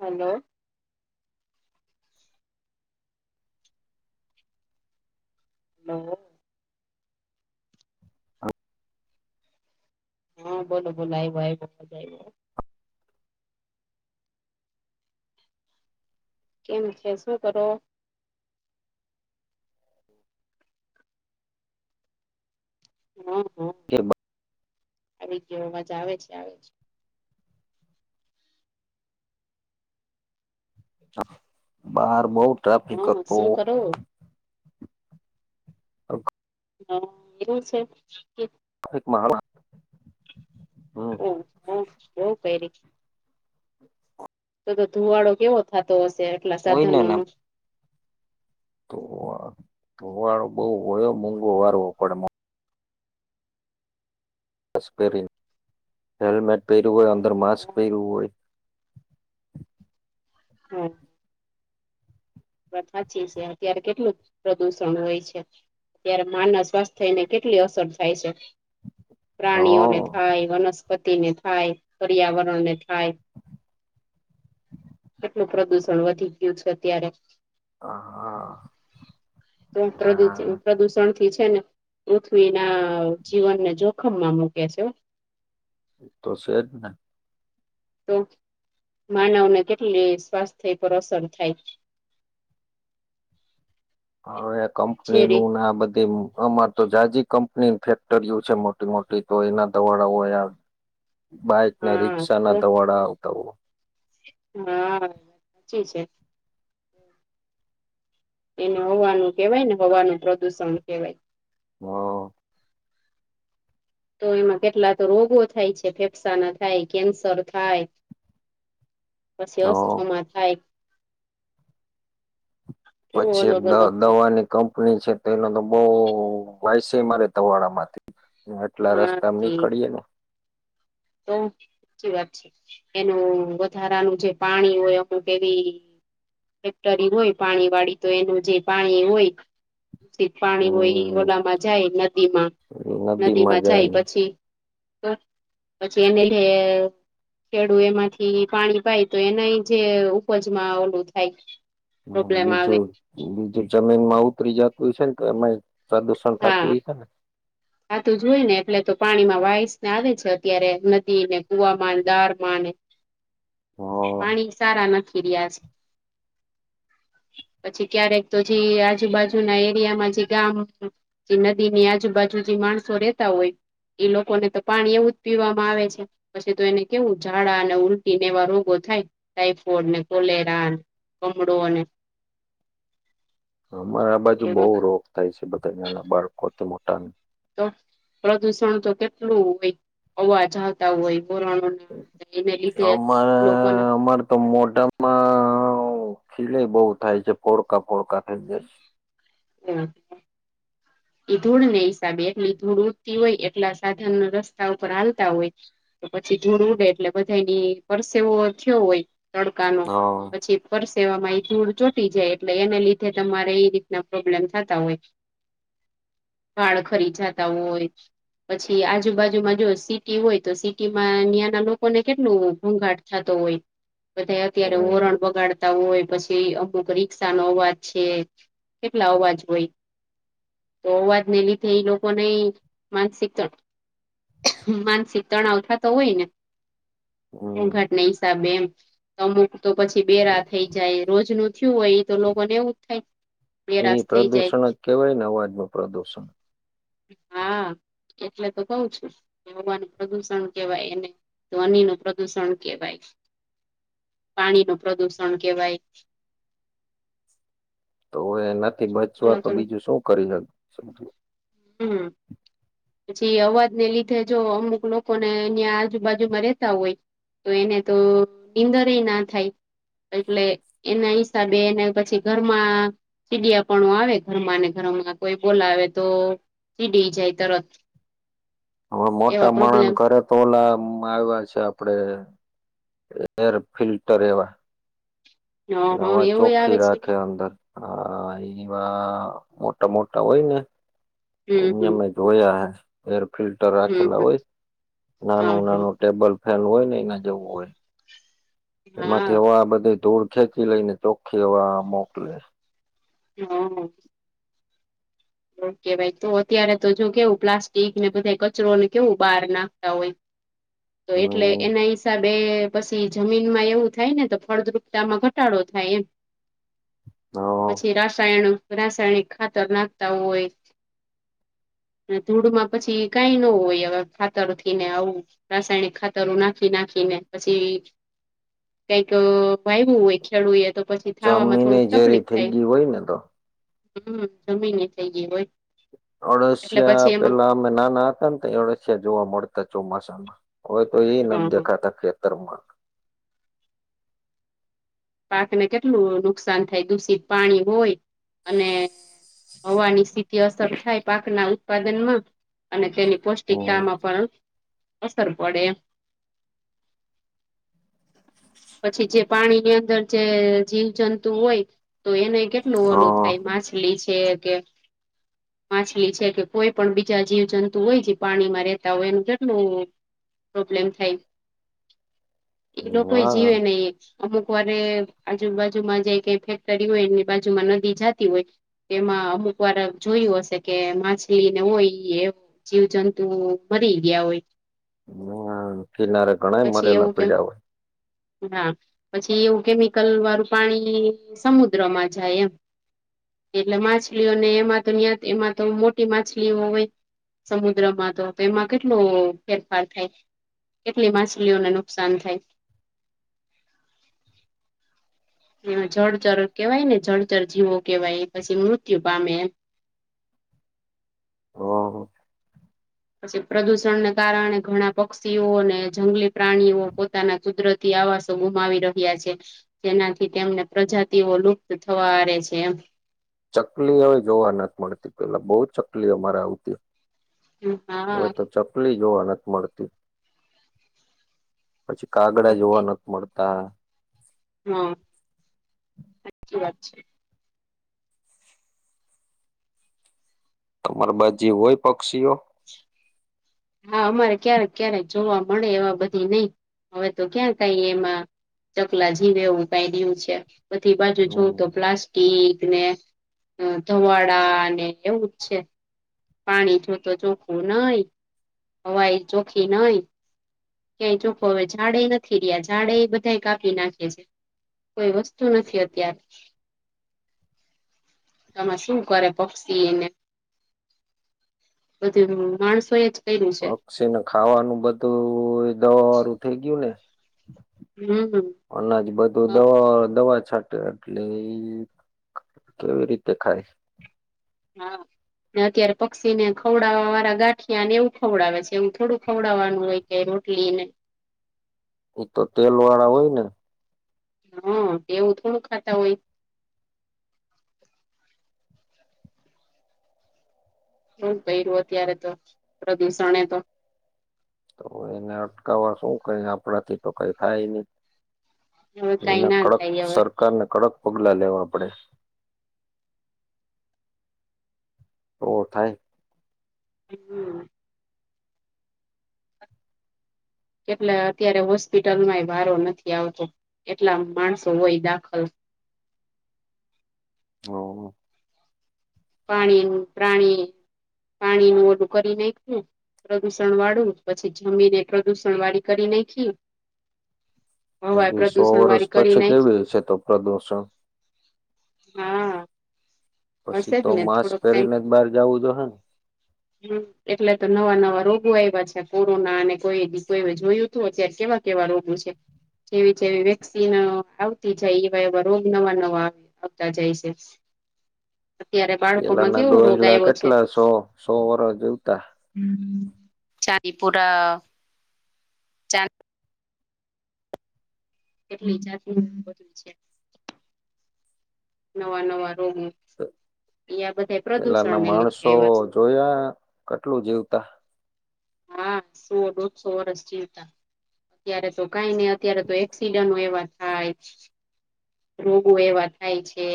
Hello. નવો હા. હા બોલો બોલો આવ્યો આવ્યો. કેમ છે શું કરો. [inaudible] હમ. કેબલ. આવીગયો અવાજ આવે છે આવે છે. હા બાર બઉ ટ્રાફિક હા હતો. શું કરો હ [unintelligible] હા એવું છે કેમકે. એક માણા. ઓ હો હો બહુ પેરે છે. તો તો ધુવાડો કેવો થતો હશે આટલા કોઈને સાધનો ને નો. તો તોવાળો બઉ હોયો મોઘો વારકડ પરી હેલ્મેટ પહેર્યું હોય અંદર માસ્ક પહેરવું હોય. હા. વરખા ચે છે અત્યારે કેટલું. પ્રદૂષણ હોય છે ત્યારે માનવ સ્વાસ્થ્યને કેટલી અસર થાય છે. હોય પ્રાણીઓને થાય વનસ્પતિને થાય પર્યાવરણને થાય. કેટલું પ્રદુષણ વધી ગયું છે અત્યારે. હા હા. તો પ્રદુષ પ્રદુષણથી. છે ને પૃથ્વીના જીવનને જોખમમાં મૂકે છે. તોશે જ ને. તો માનવને કેટલી સ્વાસ્થ્ય પર અસર થાય છે. [inaudible] હા જે રીત કંપનીનું ને બધું તો જાજી કંપનીઓ ફેક્ટરીઓ છે મોટી મોટી તો એના દવાડા હોય. બાઈકને હા રિક્ષા તો ના ધવાડા આવતા હોય. હા સાચી છે. એને હવાનું કહેવાય હવાનું પ્રદુષણ કહેવાય. હા. તો એમાં કેટલા તો રોગો થાય છે ફેફસા ના થાય કેન્સર થાય છે. પછી હ હ અસ્થમા થાય છે. કેવું પછી અલગ અલગ થાય. નાની કપની છે પહેલા નંબર વાવશો તમારા માટે. આટલા હા રસ્તામાં નીકળીએે ને તો સાચી વાત છે એનું વધારાનું જે પાણી હોય અમુક એવી ફેક્ટરી હોય પાણી વાળી તો એનું જે પાણી હોય પાણી હમ હોય એમા નદીમાં જાય પછી. તો. પછી એનલ છે. ખેડૂતો એમાંથી પાણી પાય તો એના જે ઉપજમાં અનાજ થાય હા, પ્રોબ્લેમ બીજુ આવે જમીનમાં ઉતરી જતું હશે ને એમાં પ્રદુષણ થતું હોય છે. [unintelligible] આ તો જોય ને એટલે તો પાણીમાં વાઈસ ને આવે છે, અત્યારે નદી ને કુવામાં નળમાંને હા પાણી સારા નથી રીયા પછી ક્યારેક તો જે આજુબાજુના એરિયામાં જે ગામ નદીની આજુબાજુ જે માણસો રેતા હોય એ લોકોને તો પાણી એવું જ પીવામાં આવે છે. પછી તો એને કેવું ઝાડા અને ઉલટીને એવા રોગો થાય ટાઈફોઈડ ને કોલેરો કમળો ને અમારા બાજુ બો એવા રોગ થાય છે, બધા નાંનાં બાળકો થી મોટાને તો પ્રદુષણ તો કેટલું હોય અવાજ આવતા હોય [unintelligible] એને લીધે અમારે લોકોને અમાર તો મોઢામાં સીલાઈ બો થાય છે, ફોડલા ફોડલા જાય [inaudible] એ ધૂલ ને હિસાબે એટલી ધૂળ ઉઠતી હોય એટલા સાધન રસ્તા ઉપર હાલતા હોય તો પછી ધૂળ ઉડે એટલે બધાનો પરસેવો થયો હોય તડકાનો હા પછી પરસેવામાં એ ધૂળ ચોટી જાય એટલે એને લીધે તમારે એ રીતના પ્રોબ્લેમ થતા હોય વાળ ખરી જાતા હોય પછી આજુબાજુમાં જો સિટી હોય તો સિટીમાં ત્યાંના લોકોને કેટલું ઘોંઘાટ થાતો હોય બધા અત્યારે હમ વાતાવરણ બગાડ તા હોય પછી અમુક રીક્ષાનો અવાજ છે, કેટલા અવાજ હોય તો અવાજ ને લીધે એ લોકોની માનસિક ત માનસિક તણાવ થતો હોય ને હમ ઘોંઘાટને હિસાબે એમ અમુક તો પછી બેરા થઈ જાય રોજ નુ થયું હોય તો લોકો ને એવું જ થાય બહેરાશ થઈ જાય કહેવાય ને અવાજ નું પ્રદૂષણ હા એટલે તો કઉ છું હવાનું પ્રદુષણ કહેવાય એને ધ્વનિનું પ્રદુષણ કહેવાય પાણીનું પ્રદુષણ કહેવાય તો એનાથી બચવા અલગ તો અલગ બીજું શું કરી હક શકીએ? હમમ. પછી અવાજને લીધે જો અમુક લોકોને નયા આજુબાજુમાં રહેેતા હોય તો એને તો ઈંદર ના થાય એટલે એના હિસાબે એને પછી ઘરમાં ચીડિયા પણુ આવે ઘરમાંને ઘરમાં કોઈ બોલાવે તો ચીડી જાય તરત હવે એવા મોટા માણહ પ્રોબ્લેમ કર તોલામાં આવ્યા છે, આપડે એર ફિલ્ટર એવા હ હા હવા એવું આવે ચોખ્ખી છે રાખે અંદર હા એવા મોટા મોટા હોય ને હમ હમ અહયામે જોયા હે એર ફિલ્ટર હમ રાખેલા હમ હોય હા નાનું નાનું ટેબલ ફેલ હોય ને એના જેવું હોય એમાંથી હા હવા બધે ધૂળ ખેંચી લઈ ને ચોખ્ખી હવા મોકલે [inaudible] ઓકે ભાઈ તો અત્યારે તો જો કેવું પ્લાસ્ટિક ને બધા કચરો ને કેવું બહાર નાખતા હોય તો એટલે હમ એના હિસાબે પછી જમીનમાં એવું થાય ને તો ફળદ્રુપતામાં ઘટાડો થાય એમ હ પછી રાસાયણ રાસાયણિક ખાતરના તા હોય ધૂળમાં પછી કાઈ ન હોય હવે ખાતરથી ને આવું રાસાયણિક ખાતરો નાખી નાખીને પછી કઈક વહેવું હોય ખેડું એ તો પછી થાવામાં જમીન ય થોડુંક ઝેરી તકલીફ થઈ થાય ગઈ હોય ને તો જમીની થઈ ગઈ હોય. એટલે પછી અળશિયા એમાં પેલા અમે નાના હતા ને ત્યારે અળશિયા જોવા મળતા ચોમાસામાં. હવે તો એય હા નથી હા દેખાતા, ખેતર માં. પાકને કેટલું નુકસાન થાય, દૂષિત પાણી હોય અને હવાની સીધી અસર થાય, પાક ના ઉત્પાદન માં અને તેની હમ પૌષ્ટિકતામાં પણ અસર પડે એમ. પછી જે પાણીની અંદર જે જીવજંતુઓ હોય, તો એને કેટલું ઓલું હા થાય, પાછું. લી છે કે. માછલી છે કે કોઈ પણ બીજા જીવજંતુ હોય, જે પાણીમાં રહેેતા હોય, એનું કેટલું. પ્રોબ્લેમ થાય, એ લોકો એ હા જીવે નહીં અમુક. વારે આજુ બાાજુમાં જે કઈ ફેક્ટરી હોય, એની બાજુમાં નદી જાતી હોય. તેમાં અમુક વાર આમ જોયું હશે કે માછલી ને હોય એમ. જીવજંતુ મરી ગયા હોય. અહીંયા કિનારે ઘણાય પછી મરેલા એવું કેમ પીડ્યા હોય. હા, પછી એવું કેમિકલ વાળું પાણી સમુદ્રમાં જાય એમ. એટલે માછલીઓને એમાં તો, ત્યાં એમાં તો મોટી માછલીઓ હોય. સમુદ્રમાં તો એમાં કેટલો ફેરફાર થાય. કેટલી માછલીઓને નુકસાન થાય. જળચર કેવાય ને, જળચર જીવો કેવાય, પછી મૃત્યુ પામે. હલો. પછી પ્રદૂષણને કારણે ઘણા પક્ષીઓ અને જંગલી પ્રાણીઓ પોતાના કુદરત થી આવાસો ગુમાવી રહ્યા છે. જેનાથી તેમને પ્રજાતિઓ લુપ્ત થવા આરે છે એમ. ચકલી હવે જોવા ના જ મળતી, પેલા બહુ ચકલી અમારે આવતી. હા હવે હા તો ચકલી જોવા નથી મળતી. પછી કાગડા જોવા નથી મળતા. હા, સાચી વાત છે. તમારી બાજુ હોય, પક્ષીઓ. હા, અમારે ક્યારેક ક્યારેક જોવા મળે, એવા બધી નહીં હવે તો ક્યાં કઈ એમાં. ચકલા જીવે એવું કાઈ રહું છે, બધી બાજુ જોઉં હમ તો પ્લાસ્ટિક. ટીક ને, ધુવાડા ને એવું જ છે. પાણી જો તો ચોખ્ખું નહીં, હવાઈ ચોખી નહીં. ક્યાંય ચોખ્ખો હવે ઝાડે નથી રહ્યા, ઝાડે એ બધા કાપી નાખે છે. કોઈ વસ્તુ નથી, અત્યારે. તમે શું કરે, પક્ષી એને. બધું માણસો એ જ કર્યું છે. પછી છે ને, ખાવાનું બધું દવા વાળું થઈ ગયું ને. હમ. અનાજ બધું દવા દવા છટે એટલે. કેવી રીતે ખાય? હા. અત્યારે પક્ષી ને ખવડાવવા વાળા ગાંઠિયા ને એવું ખવડાવે છે, એવું થોડું ખવડાવવાનું હોય. એું ક્ લીન [unintelligible] એ તો તેલ વાળા હોય ને. હા, એવું થોડું ખાતા હોય. બ પય રહ્યું અત્યારે તો પ્રદુષણ એ તો. [unintelligible] [inaudible] તો એને અટકાવવા શું, કઈ આપણા થી તો કંઈ થાય નહીં. હવે કઈ એને ના કડક થાય હવે સરકારને, કડક પગલા લેવા પડે. તો થાય. હમ. એટલે અત્યારે હોસ્પિટલમાંય વારો નથી આવતો એટલા માણસો હોય દાખલ હ પાણી પ્રાણી પાણી નું ઓડું કરી નાખું પ્રદુષણ વાળું પછી જમીને પ્રદુષણ વાળી કરી નાખી હવા હ સો પ્રદુષણ વર્ષ વાળી કરી પછી નાખી કેવી છે તો પ્રદુષણ?? હા પછી હશે તો જ ને માસ્ક થોડોક ટાઈમ પહેરીને જ બહાર જવું જો હે ને હમ એટલે તો નવા નવા રોગો આવ્યા છે કોરોના અને કોઈ કોઈ જોયું હતું અત્યારે કેવા કેવા રોગો છે? કેવી જેવી વેક્સિન આવતી જાય એવા એવા રોગ નવા નવા આવતા જાય છે. અત્યારે બાળકોમાં પેલાના કેવો રોગ ડોહલા આવ્યો છે? કેટલા સો સો વર્ષ જીવતા ચાંદીપુરા ચાંદ કેટલી જાતની બધું છે નવા નવા રોગો યા બધા પેલા પ્રદુષણ ના ને લીધે માણસો આવ્યા છે. જોયા કેટલું જીવતા? હા સો દોઢસો વર્ષ જીવતા અત્યારે તો કઈ નઈ અત્યારે તો એક્સિડન્ટ એવા થાય રોગો એવા થાય છે.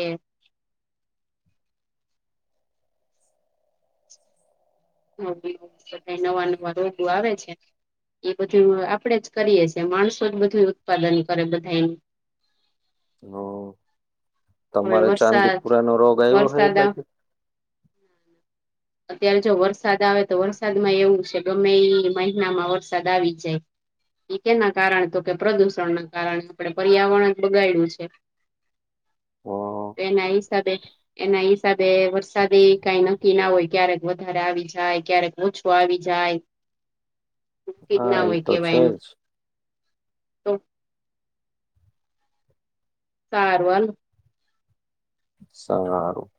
હ ક નવા નવા રોગો આવે છે. એ બધું આપડે જ કરીએ છીએ માણસો જ બધું ઉત્પાદન કરે બધા હમ હવે તમારે વરસાદ ચાંદીપુરા નો રોગ આવ્યો હોય એ વરસાદ બાજુ? અત્યારે જો વરસાદ આવે તો વરસાદમાં એવું છે ગ મે મહિનામાં વરસાદ આવી જાય એ કેના કારણે તો કે પ્રદુષણ ના કારણે આપણે પર્યાવરણ જ બગાડું છે. ઓ એના હિસાબે એના હિસાબે વરસાદે‌‌ કઈ નક્કી ના હોય ક્યારેક વધારે આવી જાય ક્યારેક ઓછો આવી જાય હા એ તો છે [unintelligible] જ તો સારું હાલો સારું